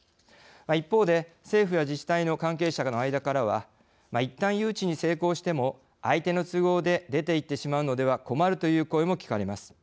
一方で、政府や自治体の関係者の間からはいったん誘致に成功しても相手の都合で出て行ってしまうのでは困るという声も聞かれます。